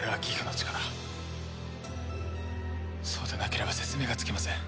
そうでなければ説明がつきません。